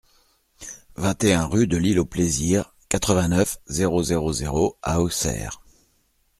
vingt et un rue de l'Île aux Plaisirs, quatre-vingt-neuf, zéro zéro zéro à Auxerre